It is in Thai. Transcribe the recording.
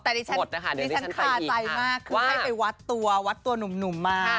แต่ดิฉันขาใจมากให้ไปวัดตัวหนุ่มมา